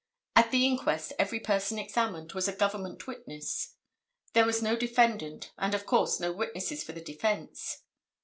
At the inquest every person examined was a government witness; there was no defendant, and of course, no witnesses for the defense.